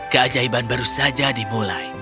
keajaiban baru saja dimulai